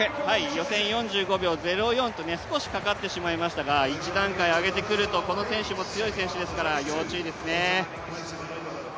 予選４５秒１４と少しかかってしまいましたが、一段階上げてくるとこの選手も強い選手ですから、要注意ですね。